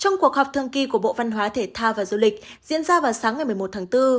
trong cuộc họp thường kỳ của bộ văn hóa thể thao và du lịch diễn ra vào sáng ngày một mươi một tháng bốn